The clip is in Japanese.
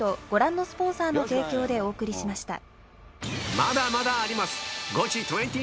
まだまだあります